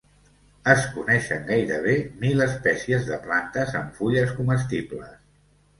Es coneixen gairebé mil espècies de plantes amb fulles comestibles.